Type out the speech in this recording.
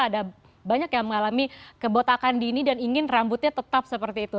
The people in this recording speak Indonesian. ada banyak yang mengalami kebotakan dini dan ingin rambutnya tetap seperti itu